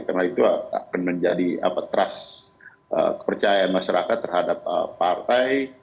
karena itu akan menjadi trust kepercayaan masyarakat terhadap partai